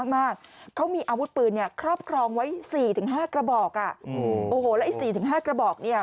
มากเขามีอาวุธปืนเนี่ยครอบครองไว้๔๕กระบอกและ๔๕กระบอกนี้